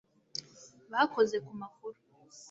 bakoze ku makuru